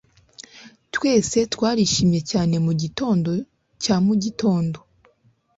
Twese twarishimye cyane mugitondo cya mugitondo